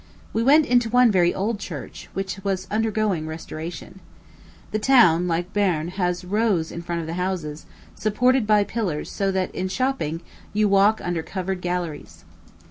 We went into one very old church, which was undergoing restoration. The town, like Berne, has rows in front of the houses, supported by pillars so that, in shopping, you walk under covered galleries.